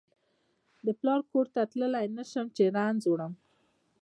د پلار کور ته تللای نشم چې رنځ وروړم